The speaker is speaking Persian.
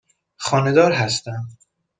خانه دار هستم.